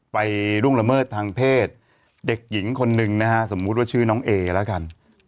ล่วงละเมิดทางเพศเด็กหญิงคนหนึ่งนะฮะสมมุติว่าชื่อน้องเอแล้วกัน